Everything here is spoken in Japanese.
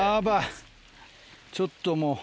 ちょっともう。